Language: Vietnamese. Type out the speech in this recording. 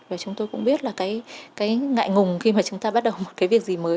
và chúng tôi cũng biết là cái ngại ngùng khi mà chúng ta bắt đầu một cái việc gì mới